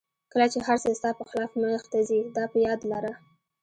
کله چې هر څه ستا په خلاف مخته ځي دا په یاد لره.